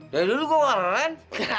dari dulu gue keren